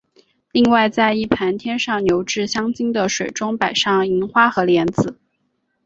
另外在一盘添上牛至香精的水中摆上银元和莲子。